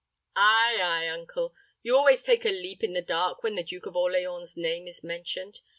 "Ay, ay, uncle. You always take a leap in the dark when the Duke of Orleans' name is mentioned.